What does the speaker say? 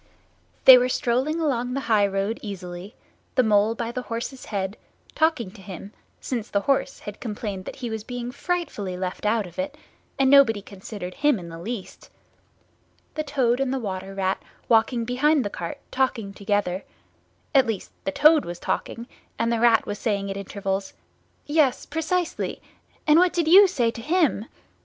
They were strolling along the high road easily, the Mole by the horse's head, talking to him, since the horse had complained that he was being frightfully left out of it, and nobody considered him in the least; the Toad and the Water Rat walking behind the cart talking together—at least Toad was talking, and Rat was saying at intervals, "Yes, precisely; and what did you say to _him?